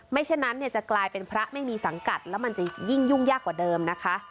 เช่นนั้นเนี่ยจะกลายเป็นพระไม่มีสังกัดแล้วมันจะยิ่งยุ่งยากกว่าเดิมนะคะ